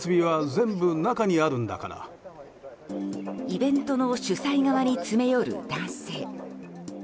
イベントの主催側に詰め寄る男性。